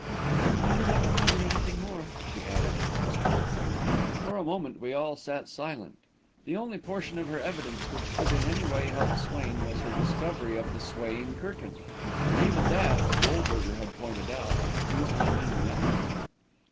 "I do not remember anything more," she added, in a whisper. For a moment, we all sat silent. The only portion of her evidence which could in any way help Swain was her discovery of the swaying curtain, and even that, as Goldberger had pointed out, might easily mean nothing.